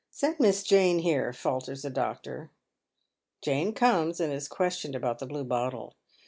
^ Send Miss Jane here," falters the doctor. Jane comes and is questioned about the blue bottlle.